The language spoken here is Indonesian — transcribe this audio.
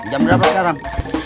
jam berapa sekarang